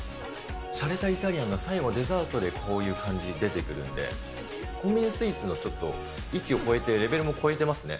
しゃれたイタリアンの、最後、デザートでこういう感じ出てくるんで、コンビニスイーツのちょっと域を超えて、レベルも超えていますね。